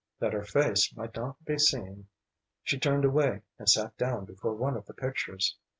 That her face might not be seen she turned away and sat down before one of the pictures.